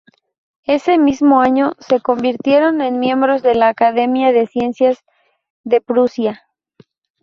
Ese mismo año se convirtieron en miembros de la Academia de Ciencias de Prusia.